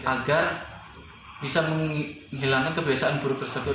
agar bisa menghilangkan kebiasaan buruk tersebut